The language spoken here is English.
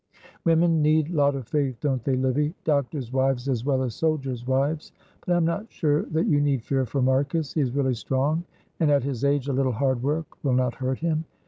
"Women need lot of faith, don't they, Livy? Doctors' wives as well as soldiers' wives, but I am not sure that you need fear for Marcus. He is really strong, and at his age a little hard work will not hurt him.